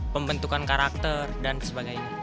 pembentukan karakter dan sebagainya